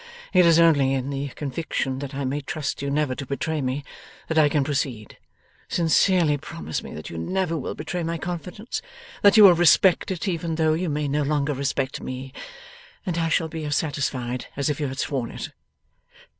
It is only in the conviction that I may trust you never to betray me, that I can proceed. Sincerely promise me that you never will betray my confidence that you will respect it, even though you may no longer respect me, and I shall be as satisfied as if you had sworn it.